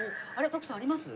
徳さんあります？